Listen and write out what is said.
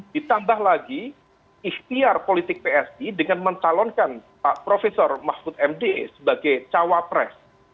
ditambah lagi ikhtiar politik psi dengan mencalonkan profesor mahfud md sebagai cawapres